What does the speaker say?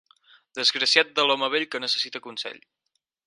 Desgraciat de l'home vell que necessita consell.